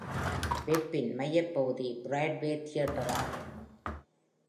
வெப்பின் மையப் பகுதி Broadway theatre ஆகும்.